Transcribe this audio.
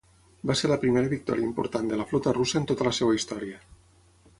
Va ser la primera victòria important de la flota russa en tota la seva història.